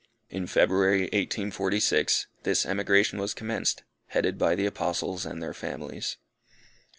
In February, 1846, this emigration was commenced, headed by the Apostles and their families.